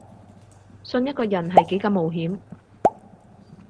信一個人係幾咁冒險